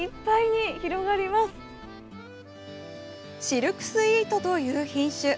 シルクスイートという品種。